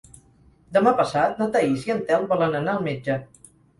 Demà passat na Thaís i en Telm volen anar al metge.